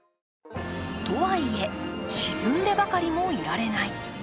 とはいえ、沈んでばかりもいられない。